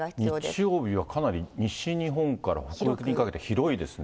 日曜日はかなり西日本から北陸にかけて、広いですね。